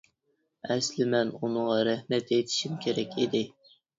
ئەسلىي مەن ئۇنىڭغا رەھمەت ئېيتىشىم كېرەك ئىدى.